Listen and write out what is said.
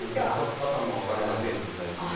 肩も上がりませんし最近は。